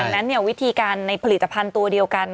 ดังนั้นวิธีการในผลิตภัณฑ์ตัวเดียวกัน